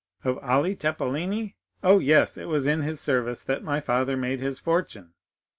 "Of Ali Tepelini?13 Oh, yes; it was in his service that my father made his fortune."